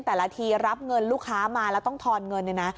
แต่ละทีรับเงินลูกค้ามาแล้วต้องทอนเงินเนี่ยนะ